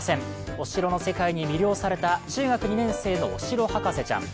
お城の世界に魅了された中学２年生のお城博士ちゃん。